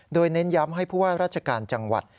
โดยเน้นย้ำให้ผู้ว่าราชการจังหวัด